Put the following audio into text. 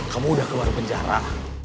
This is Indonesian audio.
kamu udah keluar penjara